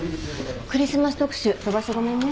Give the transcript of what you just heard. クリスマス特集飛ばしてごめんね。